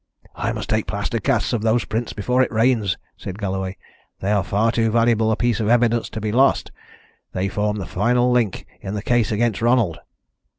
"I must take plaster casts of those prints before it rains," said Galloway. "They are far too valuable a piece of evidence to be lost. They form the final link in the case against Ronald."